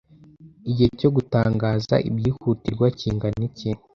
Igihe cyo gutangaza ibyihutirwa kingana iki